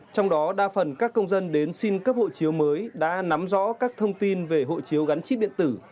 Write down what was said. trong đó đa phần các công dân đến xin cấp hộ chiếu mới đã nắm rõ các thông tin về hộ chiếu gắn chip điện tử